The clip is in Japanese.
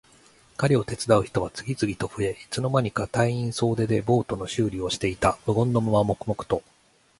彼を手伝う人は次々と増え、いつの間にか隊員総出でボートの修理をしていた。無言のまま黙々と。